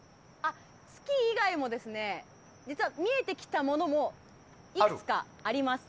月以外も実は見えてきたものもいくつかあります。